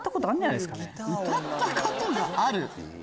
歌ったことがある？